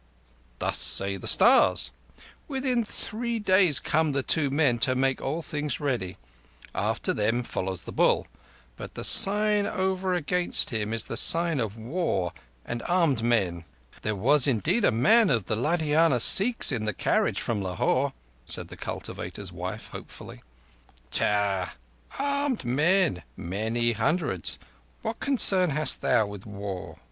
Thus say the stars. Within three days come the two men to make all things ready. After them follows the Bull; but the sign over against him is the sign of War and armed men." "There was indeed a man of the Ludhiana Sikhs in the carriage from Lahore," said the cultivator's wife hopefully. "Tck! Armed men—many hundreds. What concern hast thou with war?"